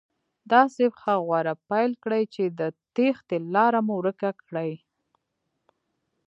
داسې پخه غوره پیل کړي چې د تېښتې لاره مې ورکه کړي.